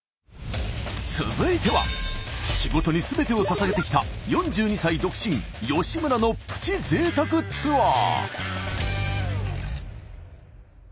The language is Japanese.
続いては仕事にすべてをささげてきた４２歳独身吉村のプチ贅沢ツアー。